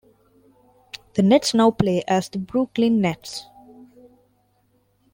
The Nets now play as the Brooklyn Nets.